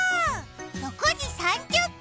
６時３０分！